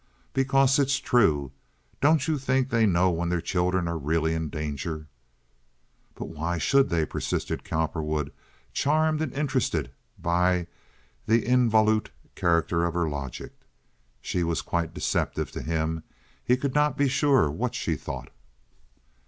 "Because it's true. Don't you think they know when their children are really in danger?" "But why should they?" persisted Cowperwood, charmed and interested by the involute character of her logic. She was quite deceptive to him. He could not be sure what she thought.